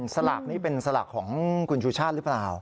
สลากนี้เป็นสลากของคุณชูชาติหรือเปล่า